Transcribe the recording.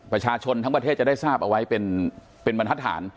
ประชาชนทั้งประเทศจะได้ทราบเอาไว้เป็นบรรทัศน